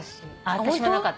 私もなかった。